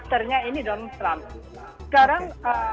donald trump sekarang